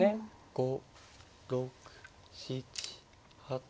５６７８。